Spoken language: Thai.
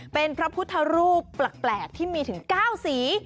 เป็นพระพุทธรูปแปลกที่มีถึง๙สี